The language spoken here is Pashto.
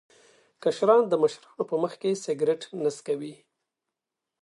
کشران د مشرانو په مخ کې سګرټ نه څکوي.